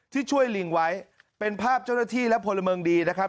ที่ช่วยลิงไว้เป็นภาพเจ้าหน้าที่และพลเมืองดีนะครับ